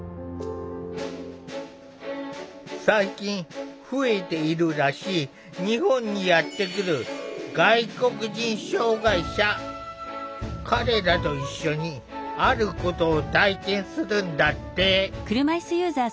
最近増えているらしい日本にやって来る彼らと一緒にあることを体験するんだって。